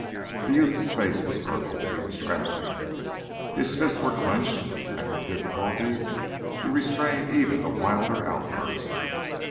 The youth's face was purple; he was trembling; his fists were clenched, and with difficulty he restrained even a wilder outburst.